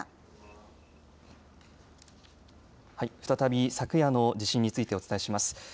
再び昨夜の地震についてお伝えします。